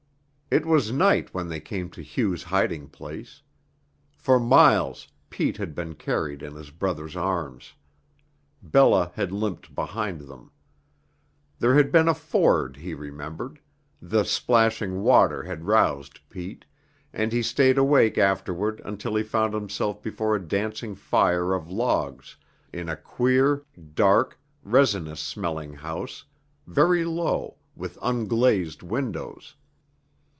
It was night when they came to Hugh's hiding place. For miles Pete had been carried in his brother's arms. Bella had limped behind them. There had been a ford, he remembered; the splashing water had roused Pete, and he stayed awake afterward until he found himself before a dancing fire of logs in a queer, dark, resinous smelling house, very low, with unglazed windows.